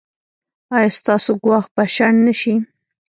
ایا ستاسو ګواښ به شنډ نه شي؟